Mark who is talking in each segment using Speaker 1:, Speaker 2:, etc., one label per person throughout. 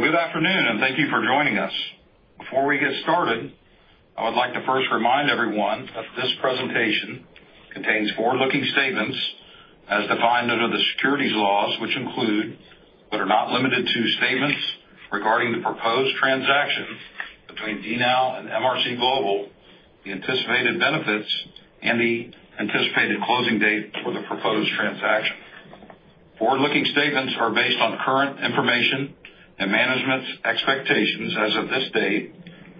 Speaker 1: Good afternoon, and thank you for joining us. Before we get started, I would like to first remind everyone that this presentation contains forward-looking statements as defined under the securities laws, which include, but are not limited to, statements regarding the proposed transaction between DNOW and MRC Global, the anticipated benefits, and the anticipated closing date for the proposed transaction. Forward-looking statements are based on current information and management's expectations as of this date,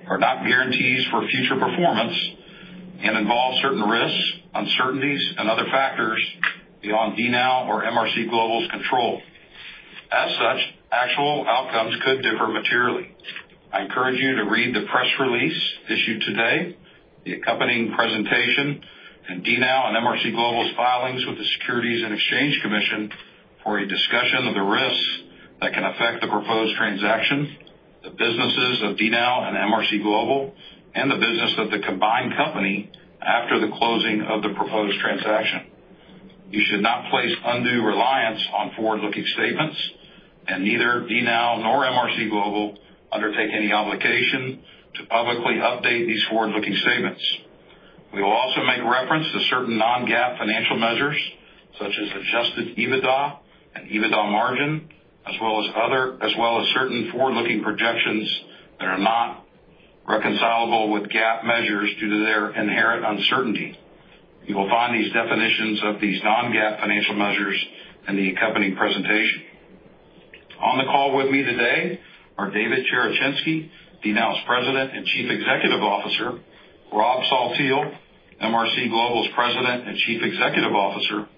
Speaker 1: are not guarantees for future performance, and involve certain risks, uncertainties, and other factors beyond DNOW or MRC Global's control. As such, actual outcomes could differ materially. I encourage you to read the press release issued today, the accompanying presentation, and DNOW and MRC Global's filings with the Securities and Exchange Commission for a discussion of the risks that can affect the proposed transaction, the businesses of DNOW and MRC Global, and the business of the combined company after the closing of the proposed transaction. You should not place undue reliance on forward-looking statements, and neither DNOW nor MRC Global undertake any obligation to publicly update these forward-looking statements. We will also make reference to certain non-GAAP financial measures, such as adjusted EBITDA and EBITDA margin, as well as certain forward-looking projections that are not reconcilable with GAAP measures due to their inherent uncertainty. You will find these definitions of these non-GAAP financial measures in the accompanying presentation. On the call with me today are David Cherechinsky, DNOW's President and Chief Executive Officer; Rob Saltiel, MRC Global's President and Chief Executive Officer;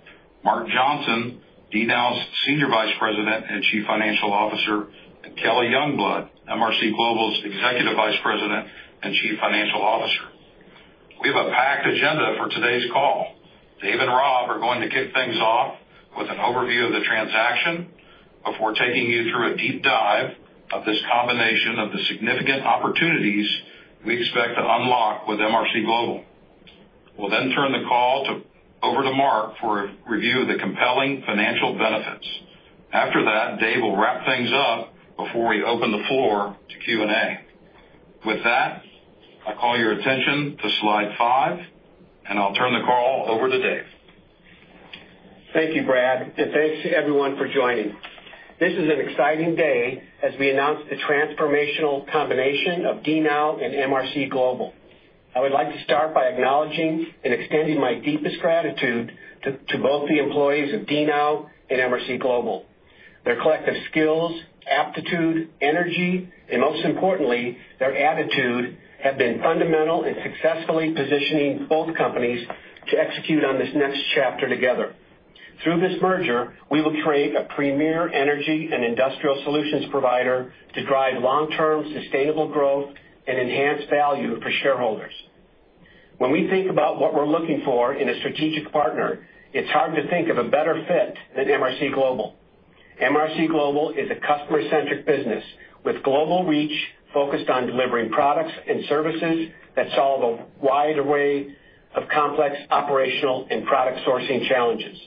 Speaker 1: Mark Johnson, DNOW's Senior Vice President and Chief Financial Officer; and Kelly Youngblood, MRC Global's Executive Vice President and Chief Financial Officer. We have a packed agenda for today's call. Dave and Rob are going to kick things off with an overview of the transaction before taking you through a deep dive of this combination of the significant opportunities we expect to unlock with MRC Global. We'll then turn the call over to Mark for a review of the compelling financial benefits. After that, Dave will wrap things up before we open the floor to Q&A. With that, I call your attention to slide five, and I'll turn the call over to Dave.
Speaker 2: Thank you, Brad, and thanks to everyone for joining. This is an exciting day as we announce the transformational combination of DNOW and MRC Global. I would like to start by acknowledging and extending my deepest gratitude to both the employees of DNOW and MRC Global. Their collective skills, aptitude, energy, and most importantly, their attitude have been fundamental in successfully positioning both companies to execute on this next chapter together. Through this merger, we will create a premier energy and industrial solutions provider to drive long-term sustainable growth and enhance value for shareholders. When we think about what we're looking for in a strategic partner, it's hard to think of a better fit than MRC Global. MRC Global is a customer-centric business with global reach focused on delivering products and services that solve a wide array of complex operational and product sourcing challenges.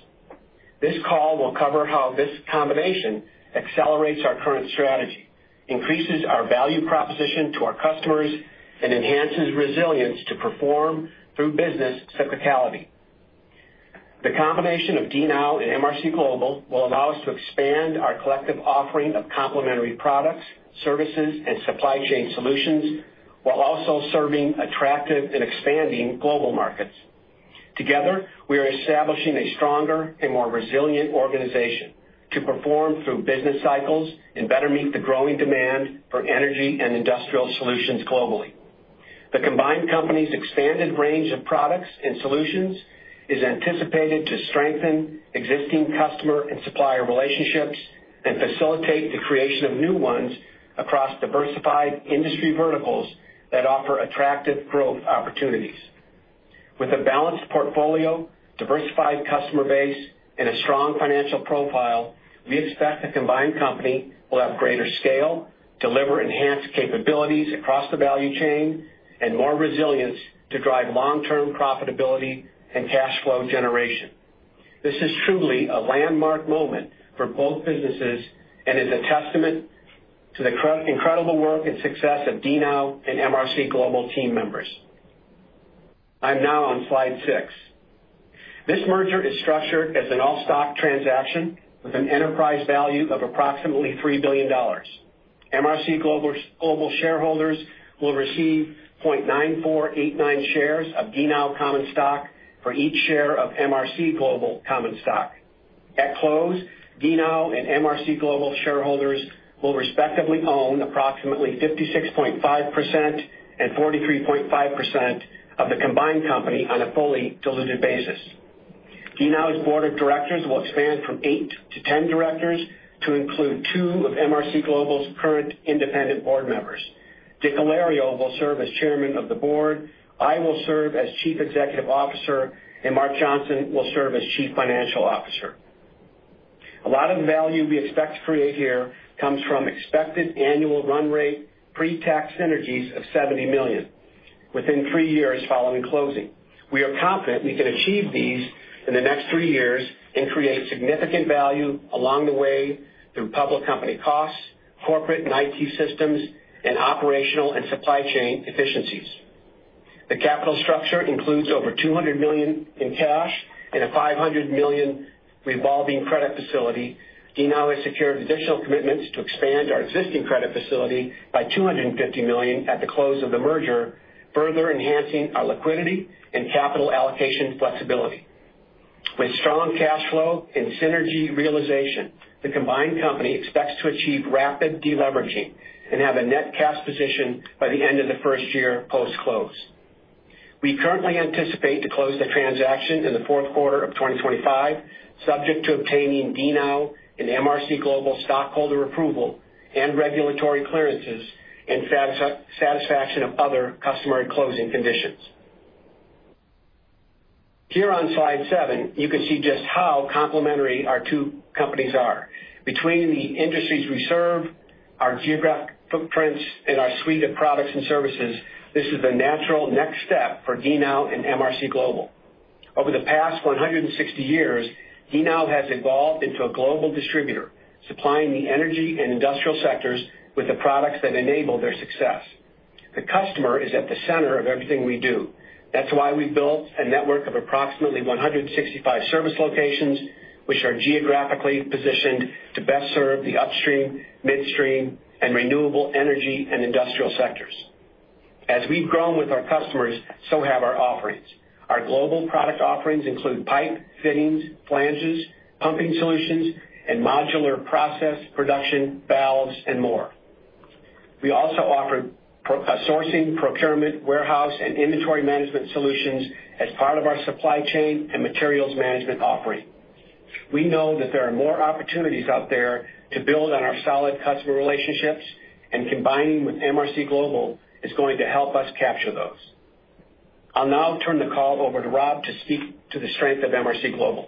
Speaker 2: This call will cover how this combination accelerates our current strategy, increases our value proposition to our customers, and enhances resilience to perform through business cyclicality. The combination of DNOW and MRC Global will allow us to expand our collective offering of complementary products, services, and supply chain solutions while also serving attractive and expanding global markets. Together, we are establishing a stronger and more resilient organization to perform through business cycles and better meet the growing demand for energy and industrial solutions globally. The combined company's expanded range of products and solutions is anticipated to strengthen existing customer and supplier relationships and facilitate the creation of new ones across diversified industry verticals that offer attractive growth opportunities. With a balanced portfolio, diversified customer base, and a strong financial profile, we expect the combined company will have greater scale, deliver enhanced capabilities across the value chain, and more resilience to drive long-term profitability and cash flow generation. This is truly a landmark moment for both businesses and is a testament to the incredible work and success of MRC Global and DNOW team members. I'm now on slide six. This merger is structured as an all-stock transaction with an enterprise value of approximately $3 billion. MRC Global's shareholders will receive 0.9489 shares of DNOW common stock for each share of MRC Global common stock. At close, DNOW and MRC Global shareholders will respectively own approximately 56.5% and 43.5% of the combined company on a fully diluted basis. DNOW's board of directors will expand from eight to 10 directors to include two of MRC Global's current independent board members. DiCollario will serve as Chairman of the Board. I will serve as Chief Executive Officer, and Mark Johnson will serve as Chief Financial Officer. A lot of value we expect to create here comes from expected annual run rate pre-tax synergies of $70 million within three years following closing. We are confident we can achieve these in the next three years and create significant value along the way through public company costs, corporate and IT systems, and operational and supply chain efficiencies. The capital structure includes over $200 million in cash and a $500 million revolving credit facility. DNOW has secured additional commitments to expand our existing credit facility by $250 million at the close of the merger, further enhancing our liquidity and capital allocation flexibility. With strong cash flow and synergy realization, the combined company expects to achieve rapid deleveraging and have a net cash position by the end of the first year post-close. We currently anticipate to close the transaction in the fourth quarter of 2025, subject to obtaining DNOW and MRC Global stockholder approval and regulatory clearances and satisfaction of other customary closing conditions. Here on slide seven, you can see just how complementary our two companies are. Between the industries we serve, our geographic footprints, and our suite of products and services, this is the natural next step for DNOW and MRC Global. Over the past 160 years, DNOW has evolved into a global distributor, supplying the energy and industrial sectors with the products that enable their success. The customer is at the center of everything we do. That's why we've built a network of approximately 165 service locations, which are geographically positioned to best serve the upstream, midstream, and renewable energy and industrial sectors. As we've grown with our customers, so have our offerings. Our global product offerings include pipe fittings, flanges, pumping solutions, modular process production, valves, and more. We also offer sourcing, procurement, warehouse, and inventory management solutions as part of our supply chain and materials management offering. We know that there are more opportunities out there to build on our solid customer relationships, and combining with MRC Global is going to help us capture those. I'll now turn the call over to Rob to speak to the strength of MRC Global.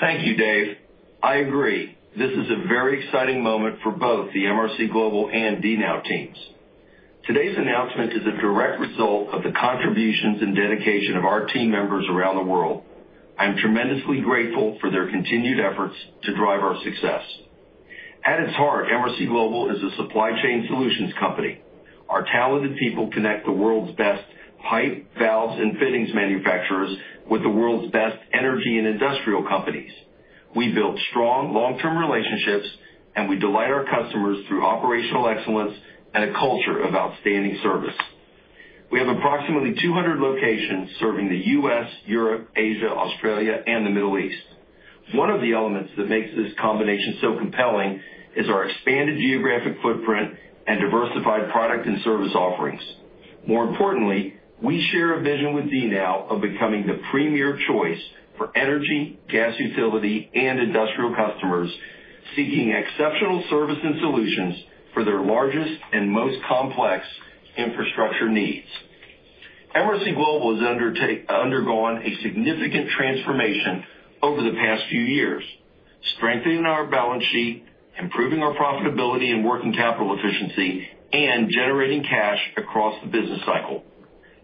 Speaker 3: Thank you, Dave. I agree. This is a very exciting moment for both the MRC Global and DNOW teams. Today's announcement is a direct result of the contributions and dedication of our team members around the world. I'm tremendously grateful for their continued efforts to drive our success. At its heart, MRC Global is a supply chain solutions company. Our talented people connect the world's best pipe, valves, and fittings manufacturers with the world's best energy and industrial companies. We build strong long-term relationships, and we delight our customers through operational excellence and a culture of outstanding service. We have approximately 200 locations serving the U.S., Europe, Asia, Australia, and the Middle East. One of the elements that makes this combination so compelling is our expanded geographic footprint and diversified product and service offerings. More importantly, we share a vision with DNOW of becoming the premier choice for energy, gas utility, and industrial customers seeking exceptional service and solutions for their largest and most complex infrastructure needs. MRC Global has undergone a significant transformation over the past few years, strengthening our balance sheet, improving our profitability and working capital efficiency, and generating cash across the business cycle.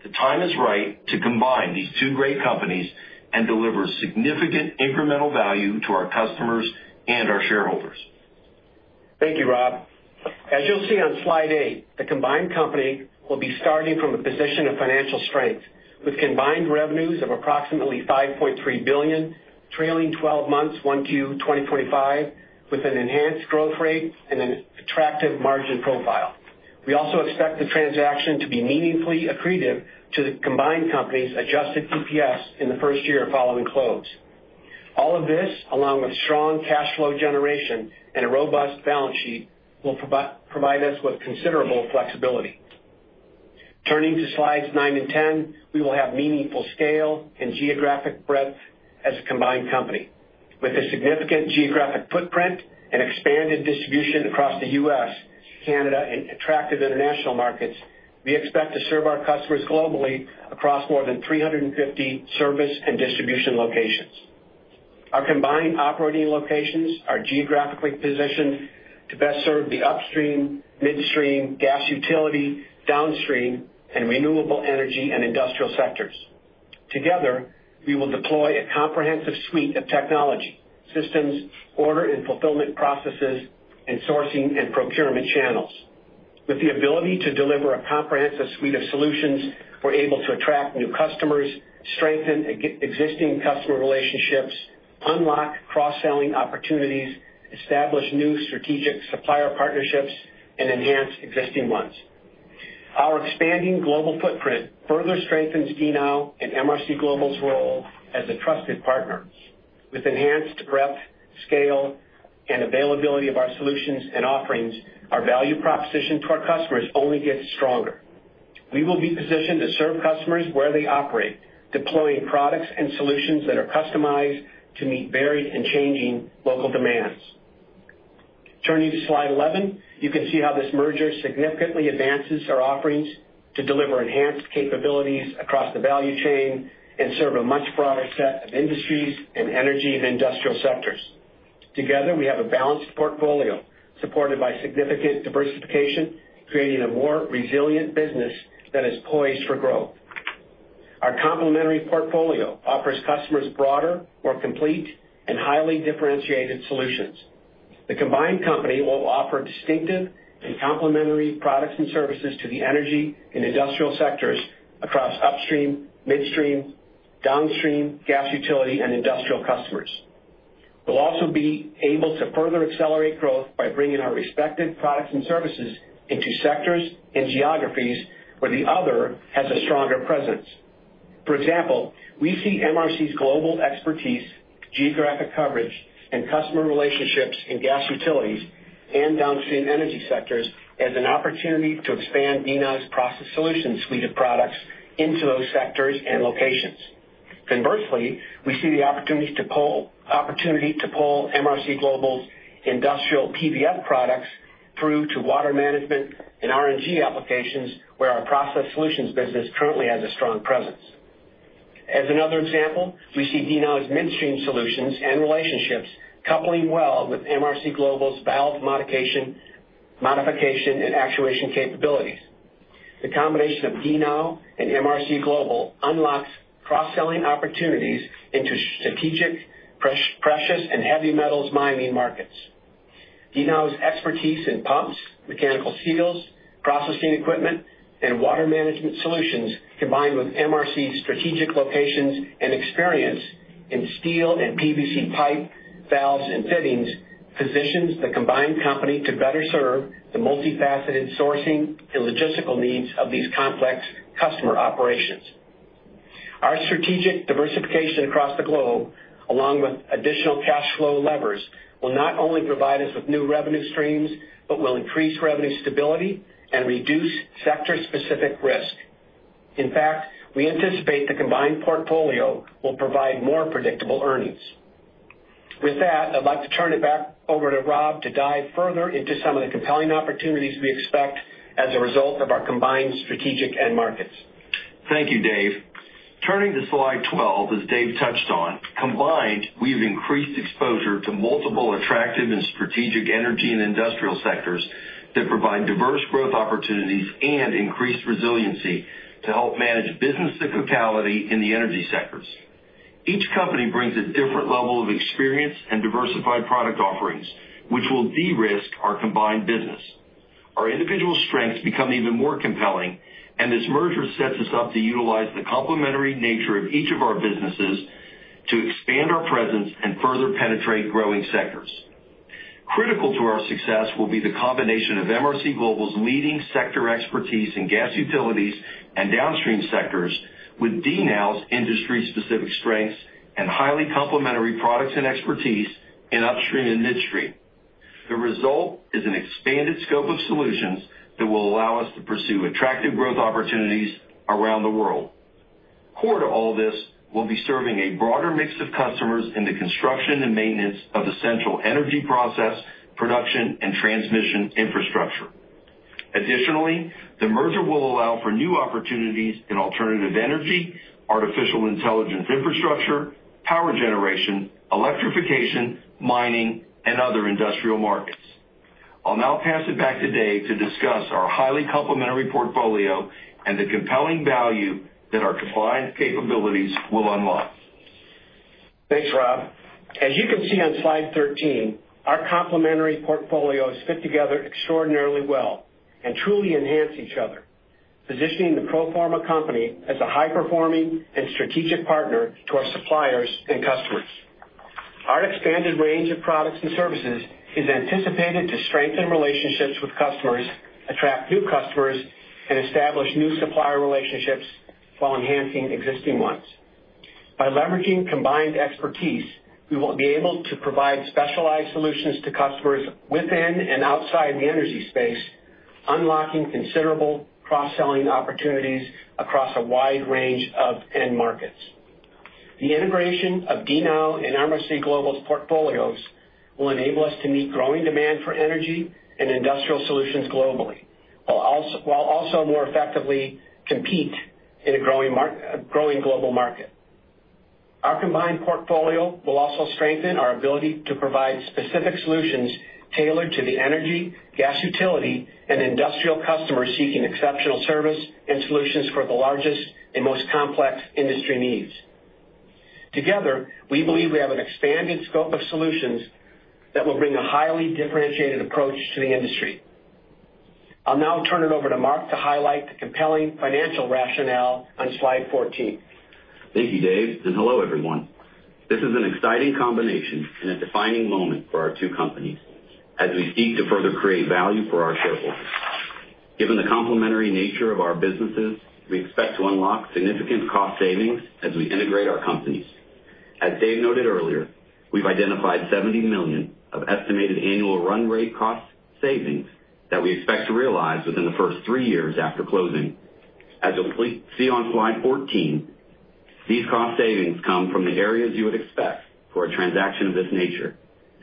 Speaker 3: The time is right to combine these two great companies and deliver significant incremental value to our customers and our shareholders.
Speaker 2: Thank you, Rob. As you'll see on slide eight, the combined company will be starting from a position of financial strength with combined revenues of approximately $5.3 billion, trailing 12 months Q1 2025, with an enhanced growth rate and an attractive margin profile. We also expect the transaction to be meaningfully accretive to the combined company's adjusted EPS in the first year following close. All of this, along with strong cash flow generation and a robust balance sheet, will provide us with considerable flexibility. Turning to slides nine and ten, we will have meaningful scale and geographic breadth as a combined company. With a significant geographic footprint and expanded distribution across the U.S., Canada, and attractive international markets, we expect to serve our customers globally across more than 350 service and distribution locations. Our combined operating locations are geographically positioned to best serve the upstream, midstream, gas utility, downstream, and renewable energy and industrial sectors. Together, we will deploy a comprehensive suite of technology, systems, order and fulfillment processes, and sourcing and procurement channels. With the ability to deliver a comprehensive suite of solutions, we're able to attract new customers, strengthen existing customer relationships, unlock cross-selling opportunities, establish new strategic supplier partnerships, and enhance existing ones. Our expanding global footprint further strengthens DNOW and MRC Global's role as a trusted partner. With enhanced breadth, scale, and availability of our solutions and offerings, our value proposition to our customers only gets stronger. We will be positioned to serve customers where they operate, deploying products and solutions that are customized to meet varied and changing local demands. Turning to slide 11, you can see how this merger significantly advances our offerings to deliver enhanced capabilities across the value chain and serve a much broader set of industries and energy and industrial sectors. Together, we have a balanced portfolio supported by significant diversification, creating a more resilient business that is poised for growth. Our complementary portfolio offers customers broader, more complete, and highly differentiated solutions. The combined company will offer distinctive and complementary products and services to the energy and industrial sectors across upstream, midstream, downstream, gas utility, and industrial customers. We'll also be able to further accelerate growth by bringing our respective products and services into sectors and geographies where the other has a stronger presence. For example, we see MRC Global's expertise, geographic coverage, and customer relationships in gas utilities and downstream energy sectors as an opportunity to expand DNOW's process solutions suite of products into those sectors and locations. Conversely, we see the opportunity to pull MRC Global's industrial PVF products through to water management and R&G applications where our process solutions business currently has a strong presence. As another example, we see DNOW's midstream solutions and relationships coupling well with MRC Global's valve modification and actuation capabilities. The combination of DNOW and MRC Global unlocks cross-selling opportunities into strategic, precious, and heavy metals mining markets. DNOW's expertise in pumps, mechanical seals, processing equipment, and water management solutions, combined with MRC Global's strategic locations and experience in steel and PVC pipe, valves, and fittings, positions the combined company to better serve the multifaceted sourcing and logistical needs of these complex customer operations. Our strategic diversification across the globe, along with additional cash flow levers, will not only provide us with new revenue streams but will increase revenue stability and reduce sector-specific risk. In fact, we anticipate the combined portfolio will provide more predictable earnings. With that, I'd like to turn it back over to Rob to dive further into some of the compelling opportunities we expect as a result of our combined strategic and markets.
Speaker 3: Thank you, Dave. Turning to slide 12, as Dave touched on, combined, we've increased exposure to multiple attractive and strategic energy and industrial sectors that provide diverse growth opportunities and increased resiliency to help manage business cyclicality in the energy sectors. Each company brings a different level of experience and diversified product offerings, which will de-risk our combined business. Our individual strengths become even more compelling, and this merger sets us up to utilize the complementary nature of each of our businesses to expand our presence and further penetrate growing sectors. Critical to our success will be the combination of MRC Global's leading sector expertise in gas utilities and downstream sectors with DNOW's industry-specific strengths and highly complementary products and expertise in upstream and midstream. The result is an expanded scope of solutions that will allow us to pursue attractive growth opportunities around the world. Core to all this will be serving a broader mix of customers in the construction and maintenance of essential energy process, production, and transmission infrastructure. Additionally, the merger will allow for new opportunities in alternative energy, artificial intelligence infrastructure, power generation, electrification, mining, and other industrial markets. I'll now pass it back to Dave to discuss our highly complementary portfolio and the compelling value that our combined capabilities will unlock.
Speaker 2: Thanks, Rob. As you can see on slide 13, our complementary portfolios fit together extraordinarily well and truly enhance each other, positioning the pro forma company as a high-performing and strategic partner to our suppliers and customers. Our expanded range of products and services is anticipated to strengthen relationships with customers, attract new customers, and establish new supplier relationships while enhancing existing ones. By leveraging combined expertise, we will be able to provide specialized solutions to customers within and outside the energy space, unlocking considerable cross-selling opportunities across a wide range of end markets. The integration of DNOW and MRC Global's portfolios will enable us to meet growing demand for energy and industrial solutions globally, while also more effectively compete in a growing global market. Our combined portfolio will also strengthen our ability to provide specific solutions tailored to the energy, gas utility, and industrial customers seeking exceptional service and solutions for the largest and most complex industry needs. Together, we believe we have an expanded scope of solutions that will bring a highly differentiated approach to the industry. I'll now turn it over to Mark to highlight the compelling financial rationale on slide 14.
Speaker 4: Thank you, Dave. Hello, everyone. This is an exciting combination and a defining moment for our two companies as we seek to further create value for our shareholders. Given the complementary nature of our businesses, we expect to unlock significant cost savings as we integrate our companies. As Dave noted earlier, we have identified $70 million of estimated annual run rate cost savings that we expect to realize within the first three years after closing. As you will see on slide 14, these cost savings come from the areas you would expect for a transaction of this nature: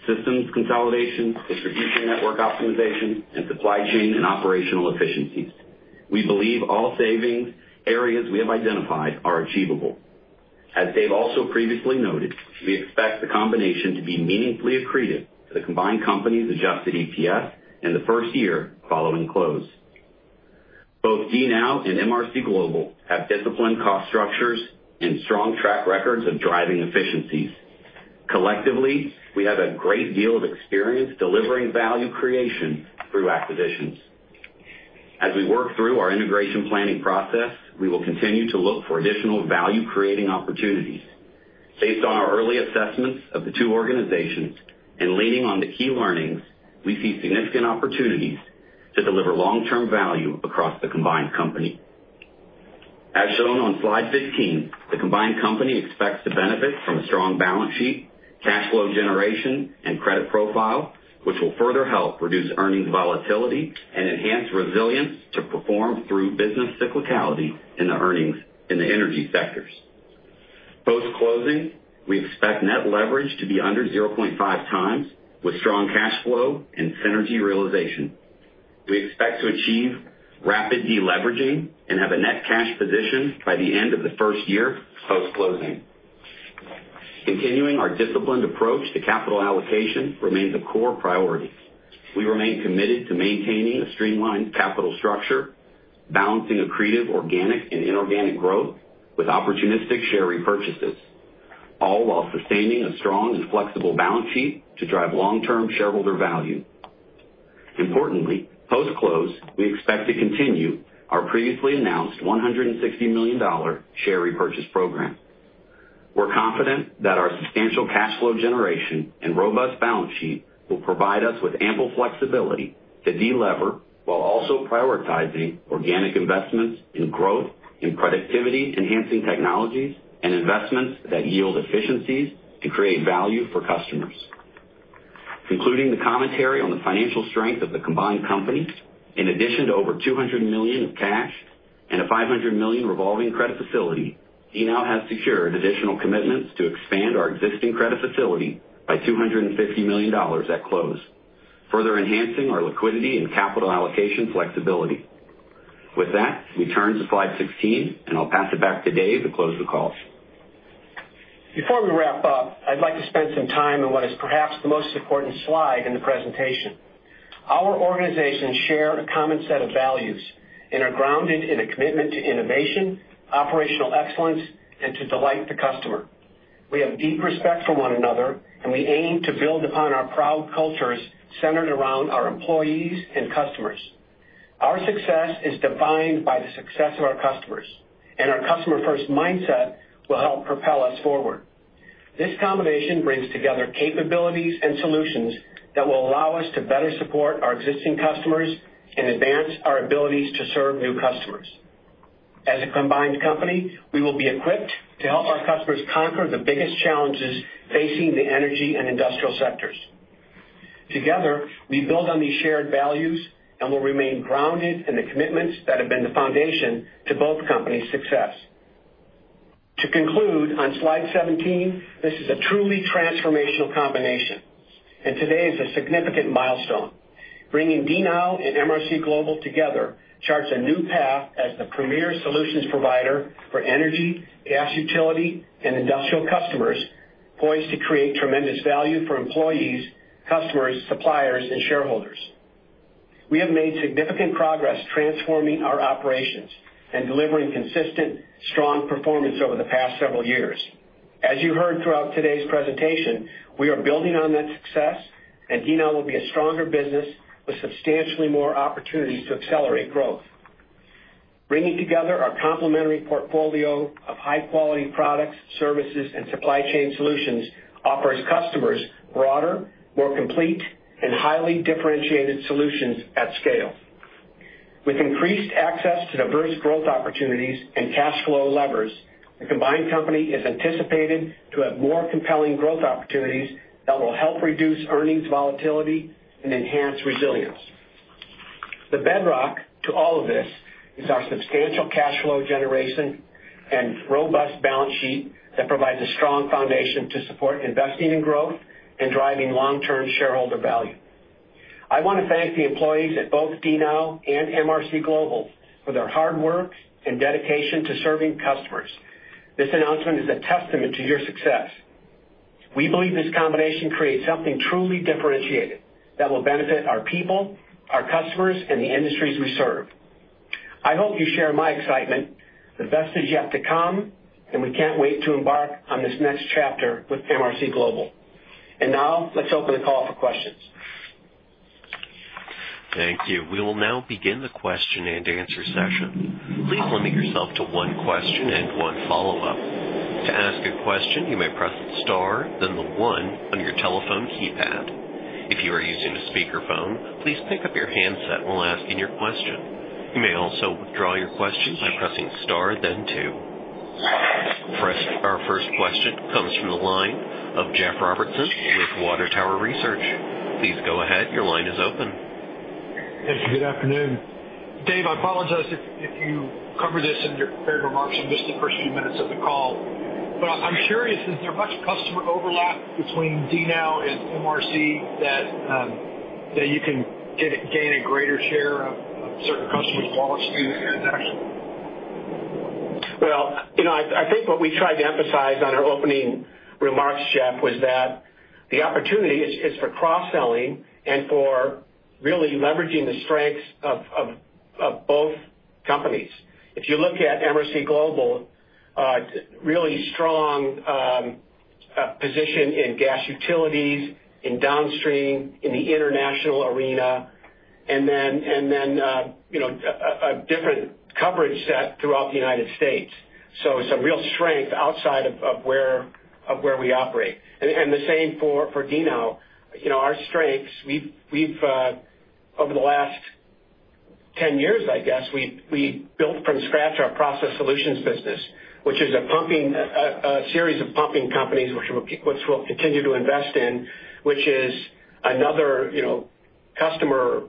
Speaker 4: systems consolidation, distribution network optimization, and supply chain and operational efficiencies. We believe all savings areas we have identified are achievable. As Dave also previously noted, we expect the combination to be meaningfully accretive to the combined company's adjusted EPS in the first year following close. Both DNOW and MRC Global have disciplined cost structures and strong track records of driving efficiencies. Collectively, we have a great deal of experience delivering value creation through acquisitions. As we work through our integration planning process, we will continue to look for additional value-creating opportunities. Based on our early assessments of the two organizations and leaning on the key learnings, we see significant opportunities to deliver long-term value across the combined company. As shown on slide 15, the combined company expects to benefit from a strong balance sheet, cash flow generation, and credit profile, which will further help reduce earnings volatility and enhance resilience to perform through business cyclicality in the energy sectors. Post-closing, we expect net leverage to be under 0.5 times with strong cash flow and synergy realization. We expect to achieve rapid deleveraging and have a net cash position by the end of the first year post-closing. Continuing our disciplined approach to capital allocation remains a core priority. We remain committed to maintaining a streamlined capital structure, balancing accretive organic and inorganic growth with opportunistic share repurchases, all while sustaining a strong and flexible balance sheet to drive long-term shareholder value. Importantly, post-close, we expect to continue our previously announced $160 million share repurchase program. We're confident that our substantial cash flow generation and robust balance sheet will provide us with ample flexibility to delever while also prioritizing organic investments in growth and productivity-enhancing technologies and investments that yield efficiencies and create value for customers. Concluding the commentary on the financial strength of the combined company, in addition to over $200 million of cash and a $500 million revolving credit facility, MRC Global has secured additional commitments to expand our existing credit facility by $250 million at close, further enhancing our liquidity and capital allocation flexibility. With that, we turn to slide 16, and I'll pass it back to Dave to close the call.
Speaker 2: Before we wrap up, I'd like to spend some time on what is perhaps the most important slide in the presentation. Our organizations share a common set of values and are grounded in a commitment to innovation, operational excellence, and to delight the customer. We have deep respect for one another, and we aim to build upon our proud cultures centered around our employees and customers. Our success is defined by the success of our customers, and our customer-first mindset will help propel us forward. This combination brings together capabilities and solutions that will allow us to better support our existing customers and advance our abilities to serve new customers. As a combined company, we will be equipped to help our customers conquer the biggest challenges facing the energy and industrial sectors. Together, we build on these shared values and will remain grounded in the commitments that have been the foundation to both companies' success. To conclude, on slide 17, this is a truly transformational combination, and today is a significant milestone. Bringing DNOW and MRC Global together charts a new path as the premier solutions provider for energy, gas utility, and industrial customers, poised to create tremendous value for employees, customers, suppliers, and shareholders. We have made significant progress transforming our operations and delivering consistent, strong performance over the past several years. As you heard throughout today's presentation, we are building on that success, and DNOW will be a stronger business with substantially more opportunities to accelerate growth. Bringing together our complementary portfolio of high-quality products, services, and supply chain solutions offers customers broader, more complete, and highly differentiated solutions at scale. With increased access to diverse growth opportunities and cash flow levers, the combined company is anticipated to have more compelling growth opportunities that will help reduce earnings volatility and enhance resilience. The bedrock to all of this is our substantial cash flow generation and robust balance sheet that provides a strong foundation to support investing in growth and driving long-term shareholder value. I want to thank the employees at both DNOW and MRC Global for their hard work and dedication to serving customers. This announcement is a testament to your success. We believe this combination creates something truly differentiated that will benefit our people, our customers, and the industries we serve. I hope you share my excitement. The best is yet to come, and we can't wait to embark on this next chapter with MRC Global. Now, let's open the call for questions.
Speaker 1: Thank you. We will now begin the question and answer session. Please limit yourself to one question and one follow-up. To ask a question, you may press the star, then the one on your telephone keypad. If you are using a speakerphone, please pick up your handset while asking your question. You may also withdraw your questions by pressing star, then two. Our first question comes from the line of Jeff Robertson with Water Tower Research. Please go ahead. Your line is open.
Speaker 5: Thank you. Good afternoon. Dave, I apologize if you covered this in your remarks in just the first few minutes of the call. I am curious, is there much customer overlap between DNOW and MRC that you can gain a greater share of certain customers' wallets through transactions?
Speaker 2: I think what we tried to emphasize in our opening remarks, Jeff, was that the opportunity is for cross-selling and for really leveraging the strengths of both companies. If you look at MRC Global, really strong position in gas utilities, in downstream, in the international arena, and then a different coverage set throughout the United States. Some real strength outside of where we operate. The same for DNOW. Our strengths, over the last 10 years, I guess, we built from scratch our process solutions business, which is a series of pumping companies, which we will continue to invest in, which is another customer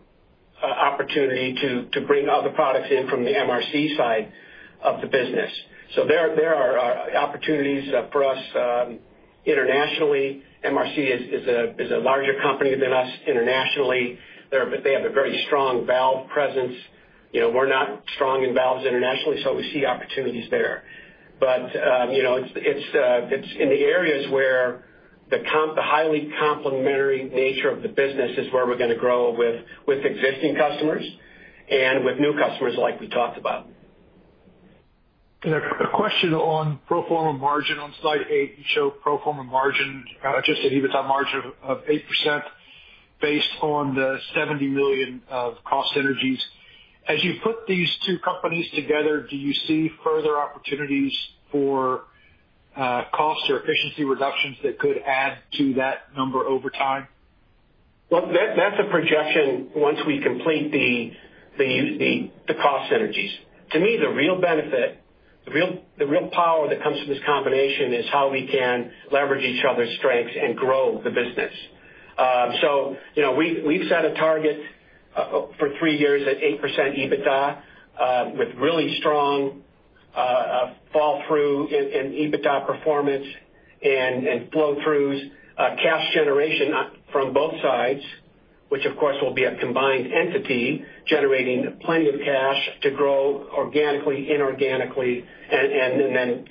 Speaker 2: opportunity to bring other products in from the MRC side of the business. There are opportunities for us internationally. MRC is a larger company than us internationally. They have a very strong valve presence. We're not strong in valves internationally, so we see opportunities there. It is in the areas where the highly complementary nature of the business is where we're going to grow with existing customers and with new customers like we talked about.
Speaker 5: A question on pro forma margin. On slide 8, you show pro forma margin, just an EBITDA margin of 8% based on the $70 million of cost synergies. As you put these two companies together, do you see further opportunities for cost or efficiency reductions that could add to that number over time?
Speaker 2: That's a projection once we complete the cost synergies. To me, the real benefit, the real power that comes from this combination is how we can leverage each other's strengths and grow the business. We have set a target for three years at 8% EBITDA with really strong fall-through in EBITDA performance and flow-throughs, cash generation from both sides, which, of course, will be a combined entity generating plenty of cash to grow organically, inorganically, and then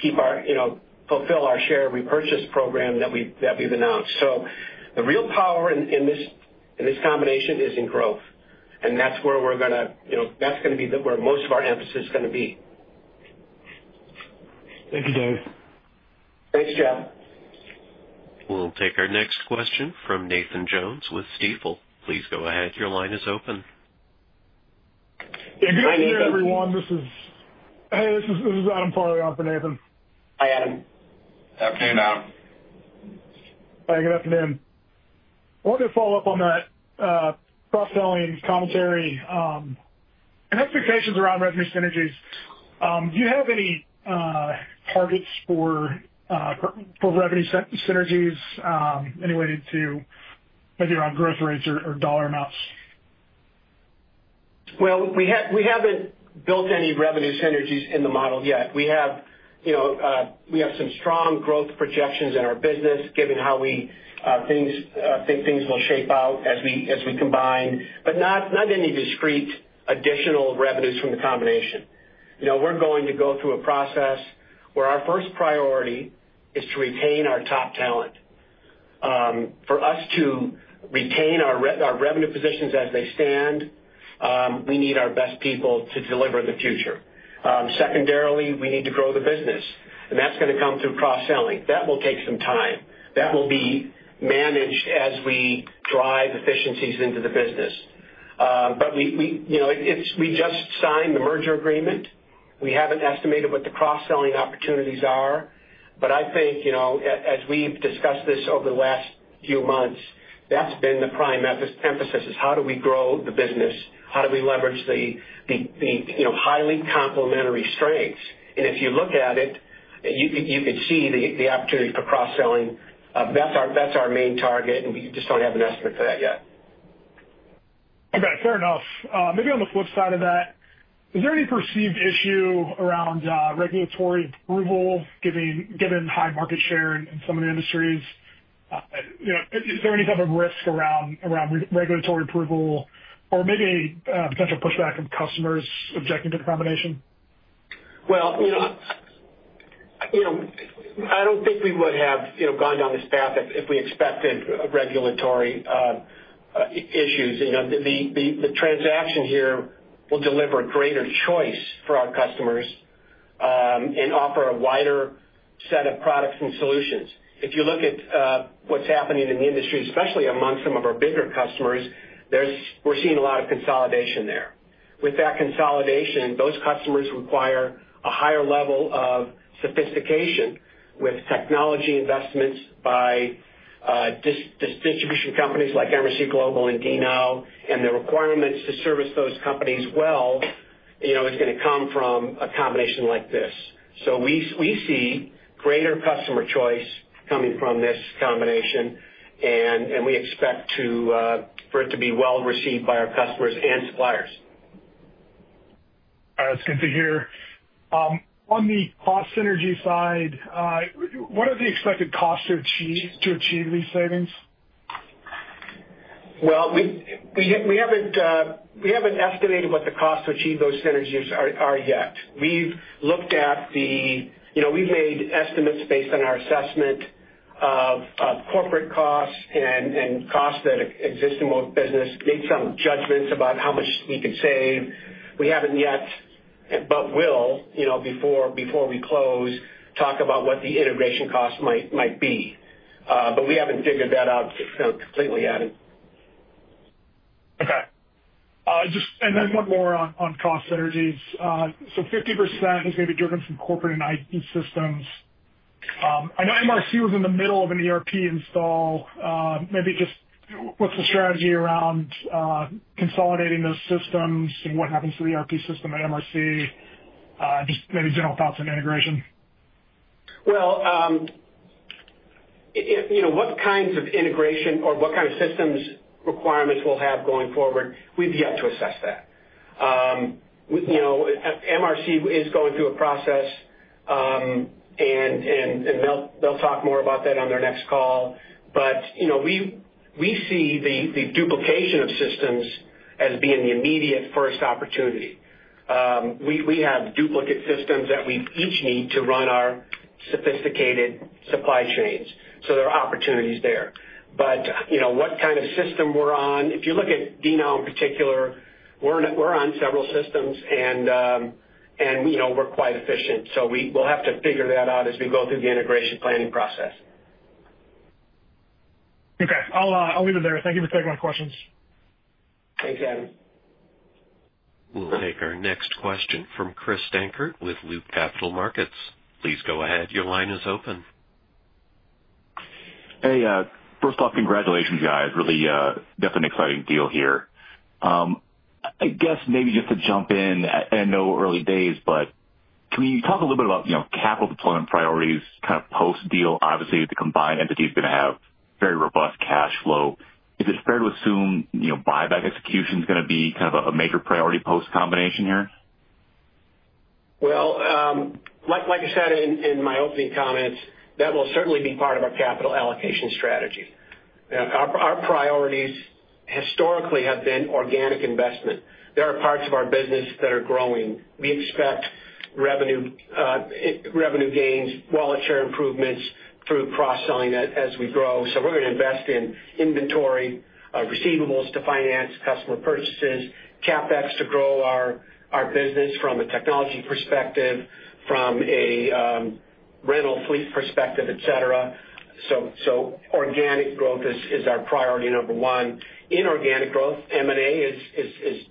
Speaker 2: fulfill our share repurchase program that we have announced. The real power in this combination is in growth, and that is going to be where most of our emphasis is going to be.
Speaker 5: Thank you, Dave.
Speaker 2: Thanks, Jeff.
Speaker 1: We'll take our next question from Nathan Jones with Stifel. Please go ahead. Your line is open.
Speaker 6: Good evening, everyone. This is Adam Farley up for Nathan.
Speaker 2: Hi, Adam.
Speaker 4: Good afternoon, Adam.
Speaker 6: Hi, good afternoon. I wanted to follow up on that cross-selling commentary and expectations around revenue synergies. Do you have any targets for revenue synergies related to maybe around growth rates or dollar amounts?
Speaker 2: We have not built any revenue synergies in the model yet. We have some strong growth projections in our business, given how we think things will shape out as we combine, but not any discrete additional revenues from the combination. We are going to go through a process where our first priority is to retain our top talent. For us to retain our revenue positions as they stand, we need our best people to deliver the future. Secondarily, we need to grow the business, and that is going to come through cross-selling. That will take some time. That will be managed as we drive efficiencies into the business. We just signed the merger agreement. We have not estimated what the cross-selling opportunities are, but I think, as we have discussed this over the last few months, that has been the prime emphasis: how do we grow the business? How do we leverage the highly complementary strengths? If you look at it, you can see the opportunity for cross-selling. That's our main target, and we just don't have an estimate for that yet.
Speaker 6: Okay. Fair enough. Maybe on the flip side of that, is there any perceived issue around regulatory approval, given high market share in some of the industries? Is there any type of risk around regulatory approval or maybe potential pushback from customers objecting to the combination?
Speaker 2: I don't think we would have gone down this path if we expected regulatory issues. The transaction here will deliver a greater choice for our customers and offer a wider set of products and solutions. If you look at what's happening in the industry, especially among some of our bigger customers, we're seeing a lot of consolidation there. With that consolidation, those customers require a higher level of sophistication with technology investments by distribution companies like MRC Global and DNOW, and the requirements to service those companies well is going to come from a combination like this. We see greater customer choice coming from this combination, and we expect for it to be well received by our customers and suppliers.
Speaker 6: All right. That's good to hear. On the cost synergy side, what are the expected costs to achieve these savings?
Speaker 2: We have not estimated what the costs to achieve those synergies are yet. We have looked at the, we have made estimates based on our assessment of corporate costs and costs that exist in both businesses, made some judgments about how much we could save. We have not yet, but will, before we close, talk about what the integration costs might be. We have not figured that out completely, Adam.
Speaker 6: Okay. And then one more on cost synergies. So 50% is going to be driven from corporate and IT systems. I know MRC was in the middle of an ERP install. Maybe just what's the strategy around consolidating those systems and what happens to the ERP system at MRC? Just maybe general thoughts on integration.
Speaker 2: What kinds of integration or what kind of systems requirements we'll have going forward, we've yet to assess that. MRC Global is going through a process, and they'll talk more about that on their next call. We see the duplication of systems as being the immediate first opportunity. We have duplicate systems that we each need to run our sophisticated supply chains. There are opportunities there. What kind of system we're on, if you look at DNOW in particular, we're on several systems, and we're quite efficient. We'll have to figure that out as we go through the integration planning process.
Speaker 6: Okay. I'll leave it there. Thank you for taking my questions.
Speaker 2: Thanks, Adam.
Speaker 1: We'll take our next question from Chris Dankert with Loop Capital Markets. Please go ahead. Your line is open.
Speaker 7: Hey. First off, congratulations, guys. Really definitely an exciting deal here. I guess maybe just to jump in, I know early days, but can we talk a little bit about capital deployment priorities kind of post-deal? Obviously, the combined entity is going to have very robust cash flow. Is it fair to assume buyback execution is going to be kind of a major priority post-combination here?
Speaker 2: Like I said in my opening comments, that will certainly be part of our capital allocation strategy. Our priorities historically have been organic investment. There are parts of our business that are growing. We expect revenue gains, wallet share improvements through cross-selling as we grow. We are going to invest in inventory of receivables to finance customer purchases, CapEx to grow our business from a technology perspective, from a rental fleet perspective, etc. Organic growth is our priority number one. Inorganic growth, M&A is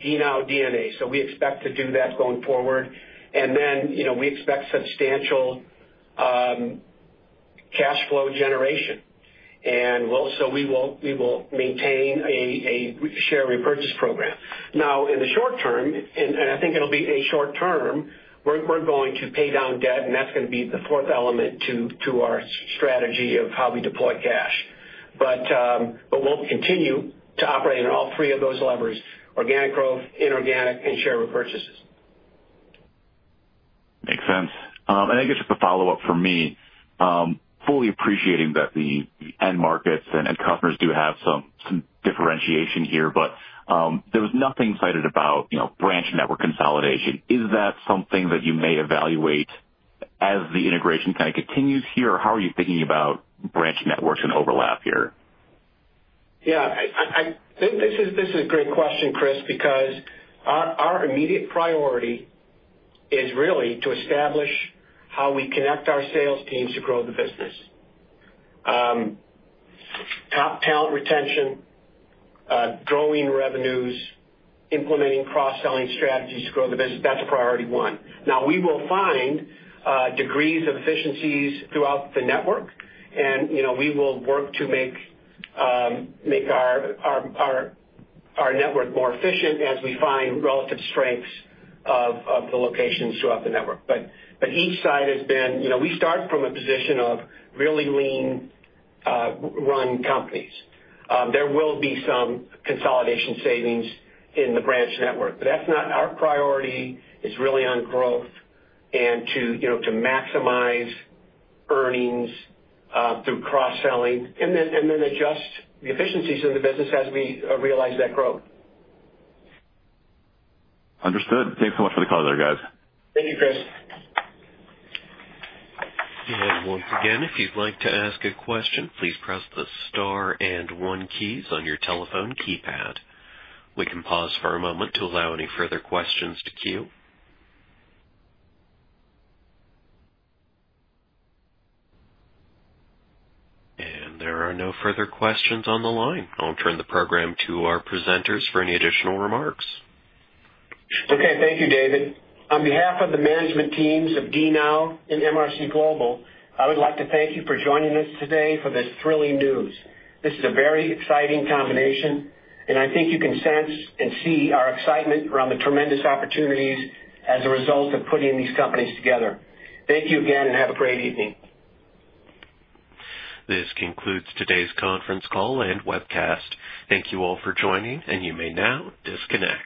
Speaker 2: MRC Global DNA. We expect to do that going forward. We expect substantial cash flow generation. We will maintain a share repurchase program. In the short term, and I think it will be a short term, we are going to pay down debt, and that is going to be the fourth element to our strategy of how we deploy cash. We will continue to operate on all three of those levers: organic growth, inorganic, and share repurchases.
Speaker 7: Makes sense. I guess just a follow-up for me, fully appreciating that the end markets and customers do have some differentiation here, but there was nothing cited about branch network consolidation. Is that something that you may evaluate as the integration kind of continues here, or how are you thinking about branch networks and overlap here?
Speaker 2: Yeah. This is a great question, Chris, because our immediate priority is really to establish how we connect our sales teams to grow the business. Top talent retention, growing revenues, implementing cross-selling strategies to grow the business, that's priority one. Now, we will find degrees of efficiencies throughout the network, and we will work to make our network more efficient as we find relative strengths of the locations throughout the network. Each side has been, we start from a position of really lean-run companies. There will be some consolidation savings in the branch network, but that's not our priority. It's really on growth and to maximize earnings through cross-selling and then adjust the efficiencies in the business as we realize that growth.
Speaker 7: Understood. Thanks so much for the call there, guys.
Speaker 2: Thank you, Chris.
Speaker 1: If you'd like to ask a question, please press the star and one keys on your telephone keypad. We can pause for a moment to allow any further questions to queue. There are no further questions on the line. I'll turn the program to our presenters for any additional remarks.
Speaker 2: Okay. Thank you, David. On behalf of the management teams of DNOW and MRC Global, I would like to thank you for joining us today for this thrilling news. This is a very exciting combination, and I think you can sense and see our excitement around the tremendous opportunities as a result of putting these companies together. Thank you again, and have a great evening.
Speaker 1: This concludes today's conference call and webcast. Thank you all for joining, and you may now disconnect.